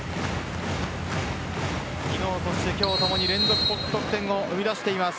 昨日そして今日共に連続得点を生み出しています。